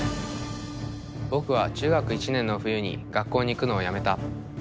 僕は中学１年の冬に学校に行くのをやめた。